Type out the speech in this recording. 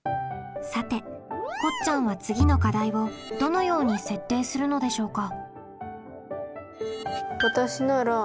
さてこっちゃんは次の課題をどのように設定するのでしょうか？